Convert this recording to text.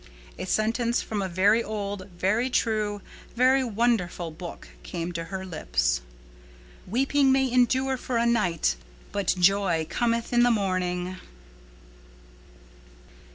A sentence from a very old, very true, very wonderful Book came to her lips, "Weeping may endure for a night but joy cometh in the morning."